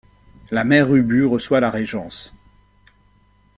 La Mère Ubu reçoit la régence.